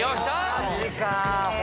マジか。